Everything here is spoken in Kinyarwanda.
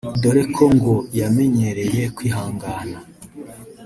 dore ko ngo yamenyereye kwihangana